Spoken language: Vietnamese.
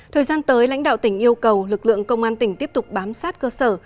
thời gian tới lãnh đạo tỉnh yêu cầu lực lượng công an tỉnh tiếp tục bám sát cơ sở